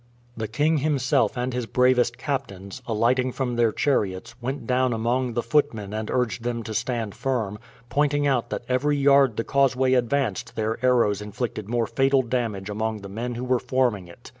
The king himself and his bravest captains, alighting from their chariots, went down among the footmen and urged them to stand firm, pointing out that every yard the causeway advanced their arrows inflicted more fatal damage among the men who were forming it.